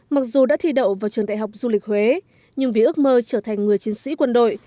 mặc dù đã thi đậu vào trường đại học du lịch huế nhưng vì ước mơ trở thành người chiến sĩ quân đội